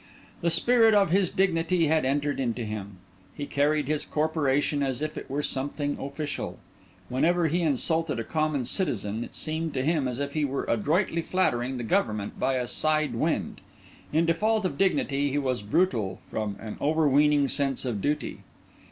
The spirit of his dignity had entered into him. He carried his corporation as if it were something official. Whenever he insulted a common citizen it seemed to him as if he were adroitly flattering the Government by a side wind; in default of dignity he was brutal from an overweening sense of duty.